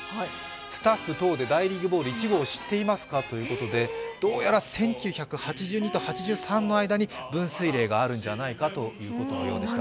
スタッフ等で大リーグボール１号を知っていますかということでどうやら１９８２と８３の間に分水嶺があるんじゃないかということのようでした。